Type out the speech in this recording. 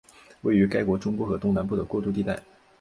位于该国中部和东南部的过渡地带。